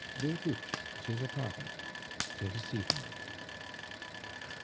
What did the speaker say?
"Ver' goot, it is a pargain. Till dis efening."